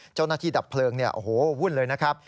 เจ้าหน้าที่ดับเพลิงเนี่ยโอ้โหวุ่นเลยนะครับ